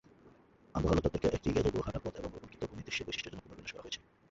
আন্দোহালো চত্বরকে একটি গ্যাজেবো, হাঁটার পথ এবং রোপণকৃত ভূমিদৃশ্যের বৈশিষ্ট্যের জন্য পুনর্বিন্যাস করা হয়েছে।